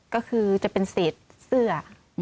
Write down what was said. ก็คือจะเป็นเศษเสื้อ